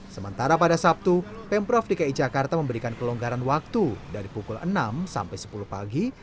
sementara pada sabtu pemprov dki jakarta memberikan kelonggaran waktu dari pukul enam sampai sepuluh pagi